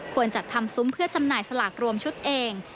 จัดทำซุ้มเพื่อจำหน่ายสลากรวมชุดเอง